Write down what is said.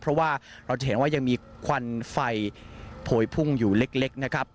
เพราะว่าเราจะเห็นว่ายังมีควันไฟโผยพุ่งอยู่เล็กนะครับ